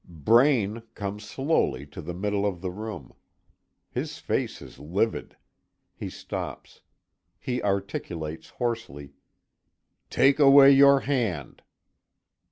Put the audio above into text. Braine comes slowly to the middle of the room. His face is livid. He stops. He articulates hoarsely: "Take away your hand!"